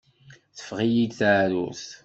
Teffeɣ-iyi-d teεrurt.